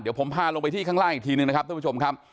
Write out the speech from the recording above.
เดี๋ยวผมพาลงไปที่ข้างล่างอีกทีหนึ่งนะครับท่านผู้ชมครับ